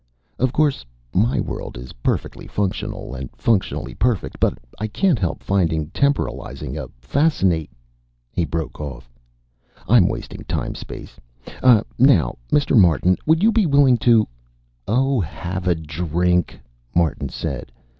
"Of course my world is perfectly functional and functionally perfect, but I can't help finding temporalizing a fascina " He broke off. "I'm wasting space time. Ah. Now. Mr. Martin, would you be willing to " "Oh, have a drink," Martin said.